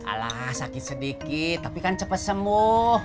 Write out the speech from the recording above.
alah sakit sedikit tapi kan cepet semuh